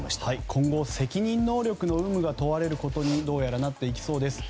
今後、責任能力の有無が問われることにどうやらなっていきそうです。